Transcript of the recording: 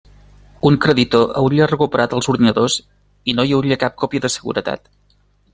Un creditor hauria recuperat els ordinadors i no hi hauria cap còpia de seguretat.